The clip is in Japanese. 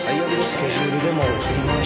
スケジュールでも振り回し。